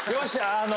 あの。